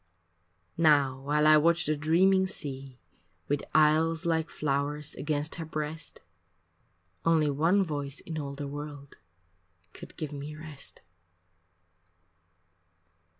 Now while I watch the dreaming sea With isles like flowers against her breast, Only one voice in all the world Could give me rest.